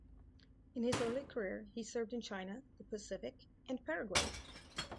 In his early career, he served in China, the Pacific and Paraguay.